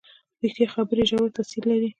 ریښتیا خبرې ژور تاثیر لري.